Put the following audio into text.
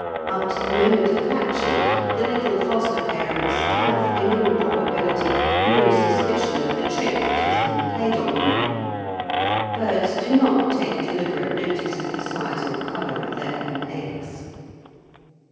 Up to the moment of hatching, the little foster parents have in all probability no suspicion of the trick that has been played on them. Birds do not take deliberate notice of the size or colour of their own eggs.